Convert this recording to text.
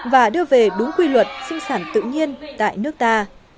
và đưa về đúng quy luật sinh sản tự nhiên tại nước ta